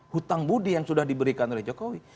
hutang budi yang sudah diberikan oleh jokowi